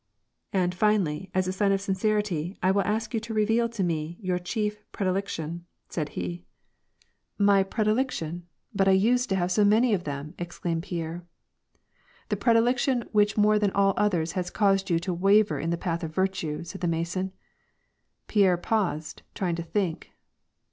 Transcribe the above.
" And finally, as a sign of sincerity, I will ask you to reveal to me your chief predilection," said he. you 1, —6. 82 WAR AND PEACE. " My predilection ? But I tised to have so many of them !" exclaimed Pierre. ^' The predilection which more than all others has caused yon to waver in the path of virtue," said the Mason. Pierre paused ; trying to think.